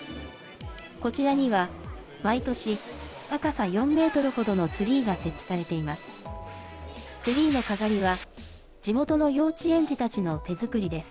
こちらには毎年、高さ４メートルほどのツリーが設置されています。